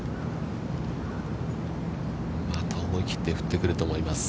また思い切って振ってくると思います。